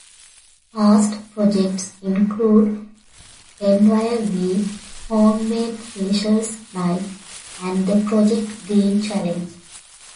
Past projects include: Enviro-Week, Homemade facials night, and The Project Green Challenge.